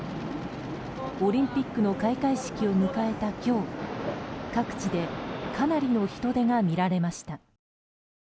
オリンピックの開会式を迎えた今日各地でかなりの人出が見られました。